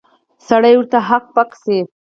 سړی ورته هک پک شي.